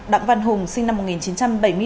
đặng văn hùng sinh năm một nghìn chín trăm bảy mươi bốn